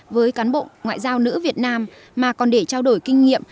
với cán bộ ngoại giao nữ việt nam mà còn để trao đổi kinh nghiệm